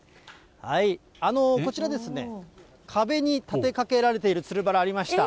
こちらですね、壁に立てかけられているつるバラありました。